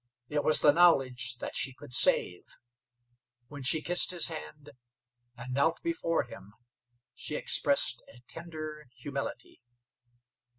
It was the knowledge that she could save. When she kissed his hand, and knelt before him, she expressed a tender humility.